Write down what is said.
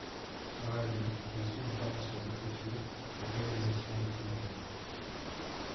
Parallèlement, elle suit une formation d’écriture et réalisation documentaire.